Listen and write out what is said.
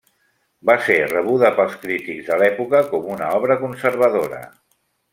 Va ser rebuda pels crítics de l'època com una obra conservadora.